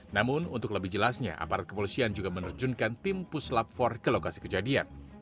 namun untuk lebih jelasnya aparat kepolisian juga menerjunkan tim puslap empat ke lokasi kejadian